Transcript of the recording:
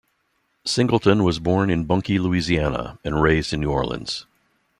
Singleton was born in Bunkie, Louisiana, and raised in New Orleans.